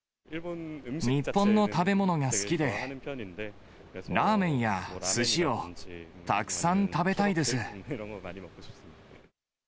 日本の食べ物が好きで、ラーメンやすしをたくさん食べたいです。